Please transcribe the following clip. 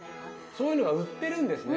そういうのが売ってるんですね。